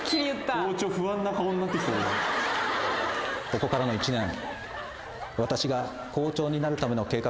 ここからの１年。